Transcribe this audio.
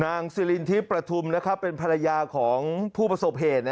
นางซิลินทิปประทุมนะครับเป็นภรรยาของผู้ประสงค์เหตุ